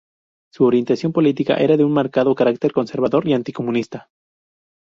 Su orientación política era de un marcado carácter conservador y anticomunista.